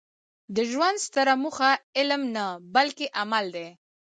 د ژوند ستره موخه علم نه؛ بلکي عمل دئ.